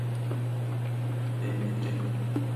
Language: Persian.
بی مهری